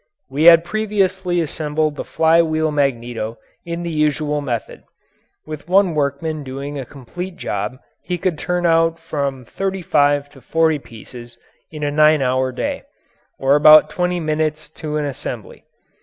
We had previously assembled the fly wheel magneto in the usual method. With one workman doing a complete job he could turn out from thirty five to forty pieces in a nine hour day, or about twenty minutes to an assembly.